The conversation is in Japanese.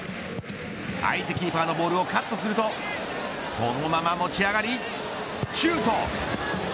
相手キーパーのボールをカットするとそのまま持ち上がり、シュート。